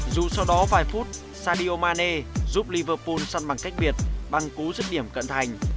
dù sau đó vài phút sadio mane giúp liverpool săn bằng cách biệt bằng cú giấc điểm cận thành